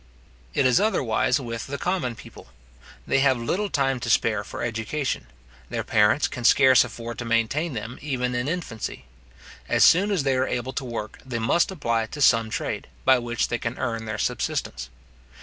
It is otherwise with the common people. They have little time to spare for education. Their parents can scarce afford to maintain them, even in infancy. As soon as they are able to work, they must apply to some trade, by which they can earn their subsistence.